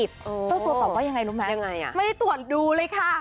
เจ้าตัวตอบว่ายังไงรู้ไหมไม่ได้ตรวจดูเลยค่ะ